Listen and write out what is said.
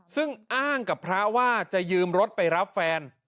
ซึ่งอ้างกับพระว่าจะยืมรถไปรับแฟน